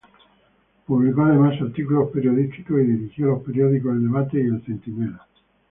Publicó además artículos periodísticos y dirigió los periódicos "El Debate" y "El Centinela".